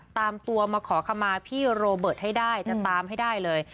ตามตัวมาขอขมาพี่โรเบิร์ตให้ได้จะตามให้ได้เลย